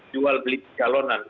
jual beli kalonan